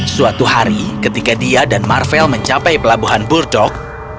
suatu hari ketika dia dan marvell mencapai pelabuhan burdok